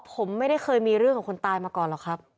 ผมไม่ได้เคยมีเรื่องของคนตายมาก่อนหรอกครับ